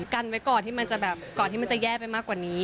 กันไว้ก่อนที่มันจะแย่มากกว่านี้